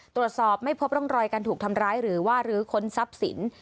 ตรวจสอบไม่พบร่องรอยการถูกทำร้ายหรือว่ารื้อค้นทรัพย์สิน